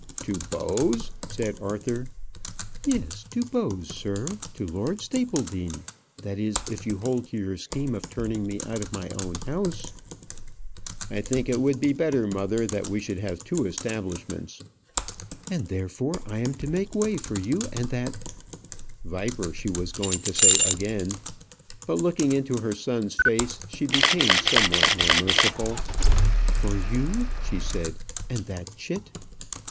"To Bowes!" said Arthur. "Yes, to Bowes, sir; to Lord Stapledean. That is, if you hold to your scheme of turning me out of my own house." "I think it would be better, mother, that we should have two establishments." "And, therefore, I am to make way for you and that " viper, she was going to say again; but looking into her son's face, she became somewhat more merciful "for you," she said, "and that chit!"